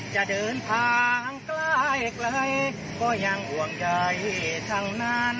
จะเดินทางใกล้ก็ยังห่วงใยทั้งนั้น